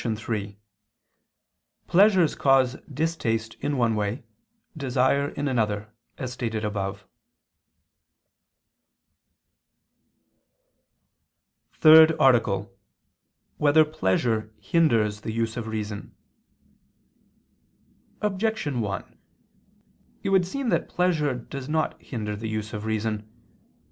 3: Pleasures cause distaste in one way, desire in another, as stated above. ________________________ THIRD ARTICLE [I II, Q. 33, Art. 3] Whether Pleasure Hinders the Use of Reason? Objection 1: It would seem that pleasure does not hinder the use of reason.